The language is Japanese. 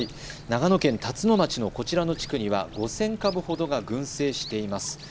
長野県辰野町のこちらの地区には５０００株ほどが群生しています。